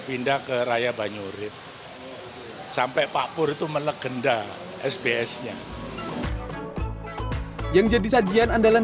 pindah ke raya banyurit sampai pak pur itu melegenda sbs nya yang jadi sajian andalan